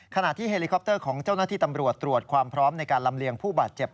ขณะที่เฮลิคอปเตอร์ของเจ้าหน้าที่ตำรวจตรวจความพร้อมในการลำเลียงผู้บาดเจ็บ